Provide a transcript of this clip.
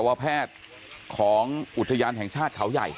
วแพทย์ของอุทยานแห่งชาติเขาใหญ่